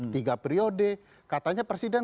tiga periode katanya presiden